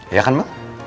iya kan mal